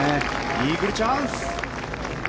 イーグルチャンス！